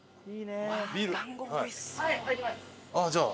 ああじゃあ。